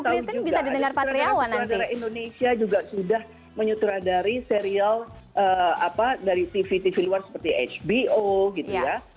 karena kita tahu juga ada yang menyutur nyatakan indonesia juga sudah menyutur nyatakan dari serial apa dari tv luar seperti hbo gitu ya